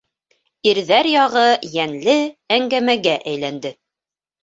Ирҙәр яғы йәнле әңгәмәгә әйләнде.